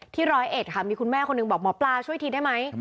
ร้อยเอ็ดค่ะมีคุณแม่คนหนึ่งบอกหมอปลาช่วยทีได้ไหม